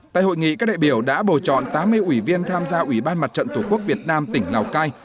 tại hội nghị các đại biểu đã bầu chọn tám mươi ủy viên tham gia ủy ban mặt trận tổ quốc việt nam tỉnh lào cai